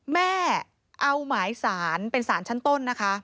แม่เอาหมายสารเป็นสารชั้นต้นนะคะ